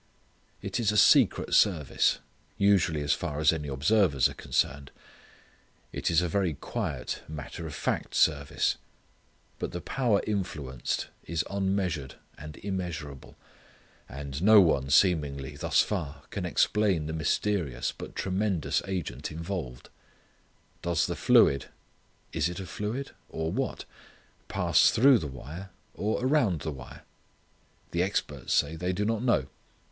It is a secret service, usually as far as any observers are concerned. It is a very quiet, matter of fact service. But the power influenced is unmeasured and immeasurable. And no one, seemingly, thus far, can explain the mysterious but tremendous agent involved. Does the fluid it a fluid? or, what? pass through the wire? or, around the wire? The experts say they do not know.